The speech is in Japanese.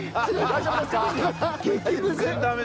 大丈夫ですか？